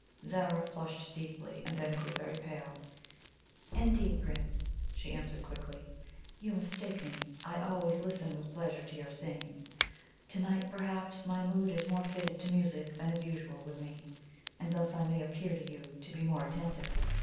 Zara flushed deeply, and then grew very pale. "Indeed, Prince," she answered quietly, "you mistake me. I always listen with pleasure to your singing to night, perhaps, my mood is more fitted to music than is usual with me, and thus I may appear to you to be more attentive.